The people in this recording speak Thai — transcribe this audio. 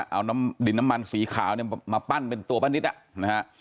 เอาดินน้ำมันสีขาวมาปั้นเป็นตัวป้านิช